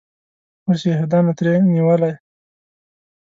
اوس یهودانو ترې نیولی.